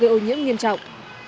gây ô nhiễm nghiêm trọng